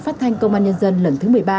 phát thanh công an nhân dân lần thứ một mươi ba